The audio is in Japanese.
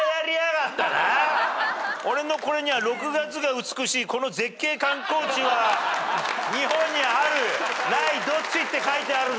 俺のこれには「６月が美しいこの絶景観光地は日本にあるないどっち？」って書いてあるぞ。